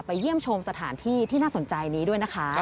เยี่ยมชมสถานที่ที่น่าสนใจนี้ด้วยนะคะ